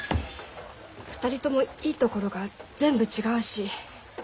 ２人ともいいところが全部違うし。